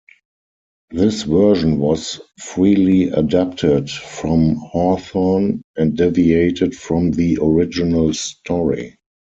This version was "freely adapted" from Hawthorne and deviated from the original story.